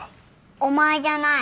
「お前」じゃない。